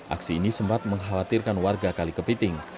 aksi ini sempat mengkhawatirkan warga kalikepiting